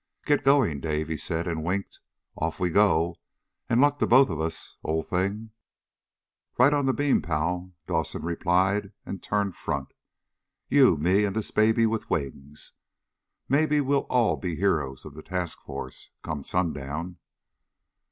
"Get going, Dave," he said, and winked. "Off we go, and luck to both of us, old thing." "Right on the old beam, pal," Dawson replied, and turned front. "You, me, and this baby with wings. Maybe we'll all be heroes of the task force, come sundown."